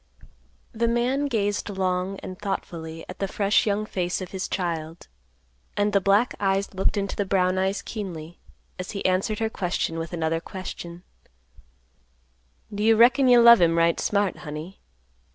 The man gazed long and thoughtfully at the fresh young face of his child; and the black eyes looked into the brown eyes keenly, as he answered her question with another question, "Do you reckon you love him right smart, honey?